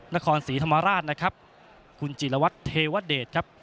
นครศรีธรรมราชนะครับคุณจิลวัตรเทวเดชครับ